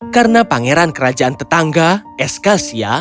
karena pangeran kerajaan tetangga eskalsia